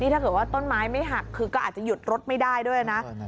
ถ้าเกิดว่าต้นไม้ไม่หักคือก็อาจจะหยุดรถไม่ได้ด้วยนะ